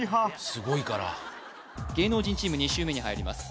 すごいから芸能人チーム２周目に入ります